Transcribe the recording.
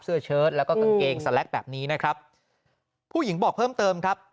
เชิดแล้วก็กางเกงสแล็กแบบนี้นะครับผู้หญิงบอกเพิ่มเติมครับ